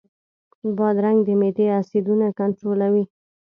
بادرنګ د معدې اسیدونه کنټرولوي.